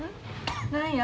何や？